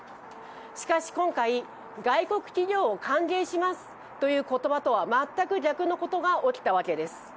しかし今回、外国企業を歓迎しますという言葉とは全く逆のことが起きたわけです。